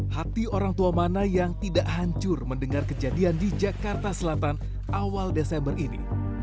hati orang tua mana yang tidak hancur mendengar kejadian di jakarta selatan awal desember ini